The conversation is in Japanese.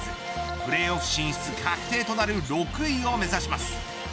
プレーオフ進出確定となる６位を目指します。